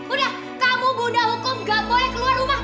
udah kamu bunda hukum gak boleh keluar rumah